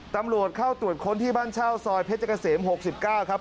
ตำรวจเข้าตรวจค้นที่บ้านเช่าซอยเพชรเกษม๖๙ครับ